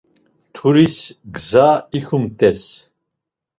Mturis, gza ikumtes.